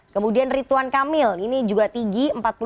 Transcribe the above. kemudian rituan kamil ini juga tinggi